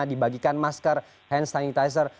dibagikan masker hand sanitizer